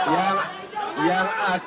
yang yang lebih tamnouse